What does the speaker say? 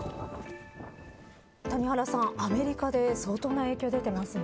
谷原さん、アメリカで相当な影響出てますね。